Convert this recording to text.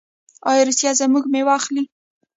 آیا روسیه زموږ میوه اخلي؟